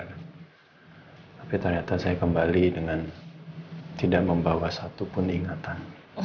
tapi ternyata saya kembali dengan tidak membawa satu puning atan